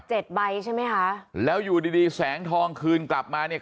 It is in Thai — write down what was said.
ใบใช่ไหมคะแล้วอยู่ดีดีแสงทองคืนกลับมาเนี่ย